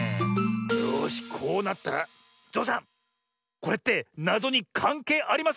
よしこうなったらゾウさんこれってなぞにかんけいありますよね？